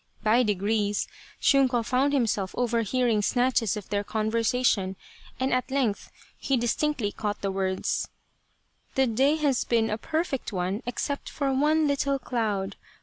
By degrees Shunko found himself overhearing snatches of their conversation, and at length he dis tinctly caught the words :" The day has been a perfect one except for one little cloud.